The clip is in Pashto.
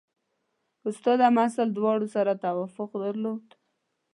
استاد او محصل دواړو سره توافق درلود.